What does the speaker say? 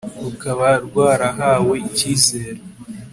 rukaba rwarahawe ikizere